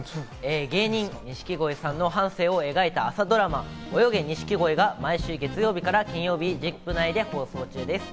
芸人・錦鯉さんの半生を描いた朝ドラマ『泳げ！ニシキゴイ』が毎週月曜日から金曜日、『ＺＩＰ！』内で放送中です。